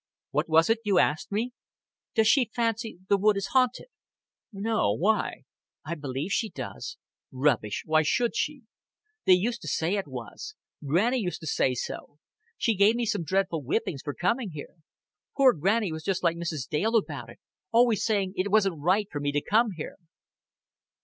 "What was it you asked me?" "Does she fancy the wood is haunted?" "No, why?" "I believe she does." "Rubbish. Why should she?" "They used to say it was. Granny used to say so. She gave me some dreadful whippings for coming here. Poor Granny was just like Mrs. Dale about it always saying it wasn't right for me to come here."